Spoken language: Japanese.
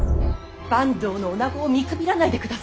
坂東の女子を見くびらないでください！